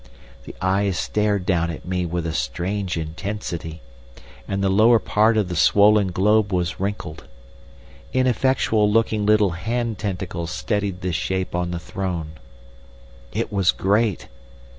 The eyes stared down at me with a strange intensity, and the lower part of the swollen globe was wrinkled. Ineffectual looking little hand tentacles steadied this shape on the throne.... "It was great.